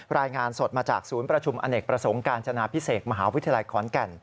รายงานสดมาจากศูนย์ประชุมอเนกประสงค์การจนาพิเศษมหาวิทยาลัยขอนแก่น